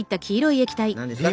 何ですか？